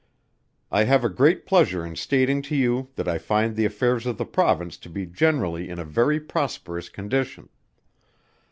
I have great pleasure in stating to you that I find the affairs of the Province to be generally in a very prosperous condition.